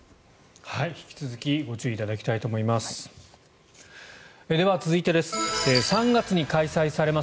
引き続きご注意いただきたいと思います。